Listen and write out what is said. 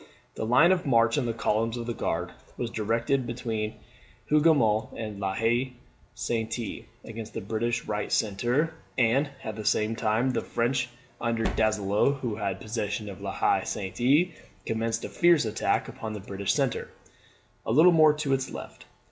The line of march of the columns of the Guard was directed between Hougoumont and La Haye Sainte, against the British right centre; and at the same time the French under Donzelot, who had possession of La Haye Sainte, commenced a fierce attack upon the British centre, a little more to its left.